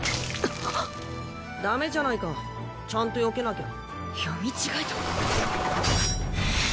ダメじゃないかちゃんとよけなきゃ。